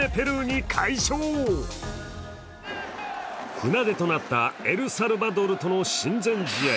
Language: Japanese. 船出となったエルサルバドルとの親善試合。